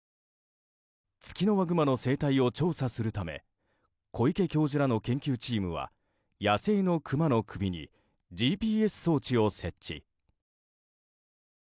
ツキノワグマの生態を調査するため小池教授らの研究チームは野生のクマの首にＧＰＳ装置を設置。